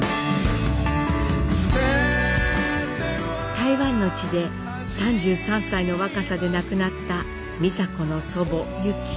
台湾の地で３３歳の若さで亡くなった美佐子の祖母ユキ。